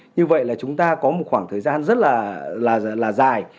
như vậy là chúng ta có một khoảng thời gian rất là dài